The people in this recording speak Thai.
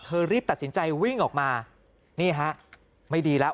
รีบตัดสินใจวิ่งออกมานี่ฮะไม่ดีแล้ว